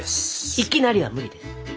「いきなり」は無理です。